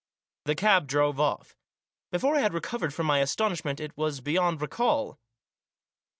The cab drove off. Before I had recovered from my astonishment it was beyond recall.